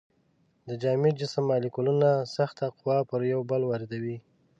د جامد جسم مالیکولونه سخته قوه پر یو بل واردوي.